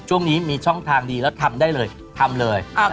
ช่วงนี้มีช่องทางดีแล้วทำได้เลยทำเลย